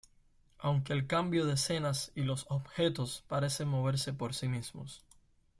Aunque el cambio de escenas y los objetos parecen moverse por sí mismos.